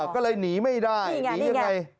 ก็เลยหนีไม่ได้หนียังไง